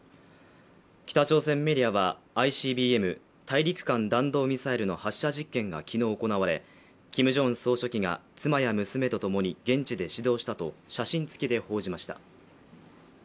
北朝鮮メディアはＩＣＢＭ＝大陸間弾道ミサイルの発射実験がきのう行われキム・ジョンウン総書記が妻や娘とともに現地で指導したと写真付きで報じました